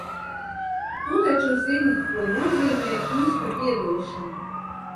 Tu taču zini, ko nozīmē īsta piedošana?